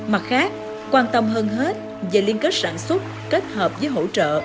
mặt khác quan tâm hơn hết về liên kết sản xuất kết hợp với hỗ trợ